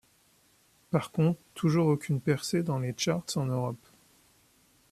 Par contre toujours aucune percée dans les charts en Europe.